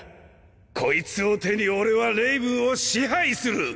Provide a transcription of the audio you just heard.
こいつを手に俺はレイブンを支配する。